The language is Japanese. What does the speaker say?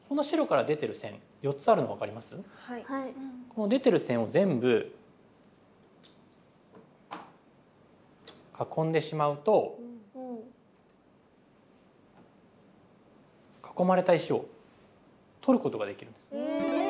この出てる線を全部囲んでしまうと囲まれた石を取ることができるんです。